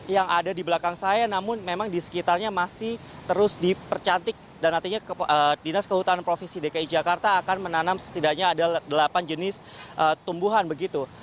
yang ada di belakang saya namun memang di sekitarnya masih terus dipercantik dan artinya dinas kehutanan provinsi dki jakarta akan menanam setidaknya ada delapan jenis tumbuhan begitu